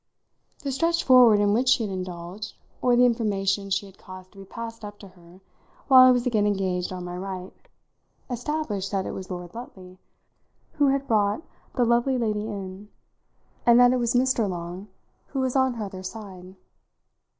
The stretch forward in which she had indulged, or the information she had caused to be passed up to her while I was again engaged on my right, established that it was Lord Lutley who had brought the lovely lady in and that it was Mr. Long who was on her other side.